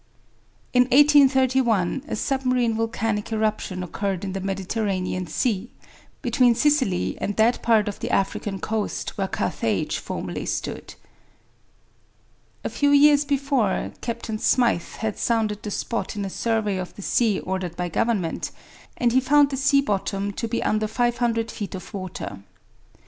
In 1831, a submarine volcanic eruption occurred in the Mediterranean Sea, between Sicily and that part of the African coast where Carthage formerly stood. A few years before, Captain Smyth had sounded the spot in a survey of the sea ordered by Government, and he found the sea bottom to be under 500 feet of water.